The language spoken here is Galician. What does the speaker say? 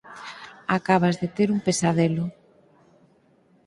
Acabas de ter un pesadelo.